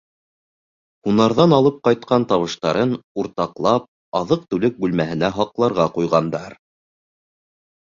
Һунарҙан алып ҡайтҡан табыштарын уртаҡлап аҙыҡ-түлек бүлмәһенә һаҡларға ҡуйғандар.